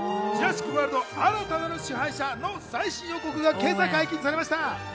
『ジュラシック・ワールド／新たなる支配者』の最新予告が今朝解禁されました。